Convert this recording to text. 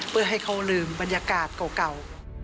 เพื่อให้เขาลืมบรรยากาศเก่า